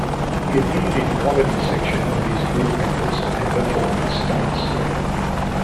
He appeared in comedy section with his group members and performed stunts.